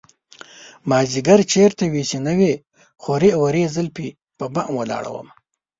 مازديگر چېرته وې چې نه وې خورې ورې زلفې په بام ولاړه ومه